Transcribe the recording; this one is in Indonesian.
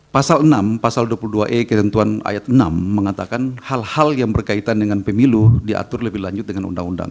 pasal enam pasal dua puluh dua e ketentuan ayat enam mengatakan hal hal yang berkaitan dengan pemilu diatur lebih lanjut dengan undang undang